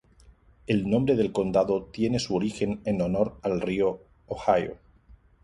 El nombre del condado tiene su origen en honor al río Ohio.